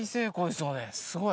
すごい。